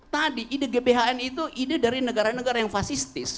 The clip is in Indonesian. tadi ide gbhn itu ide dari negara negara yang fasistis